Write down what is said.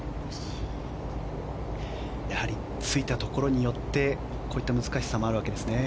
やはり、ついたところによってこういった難しさもあるわけですね。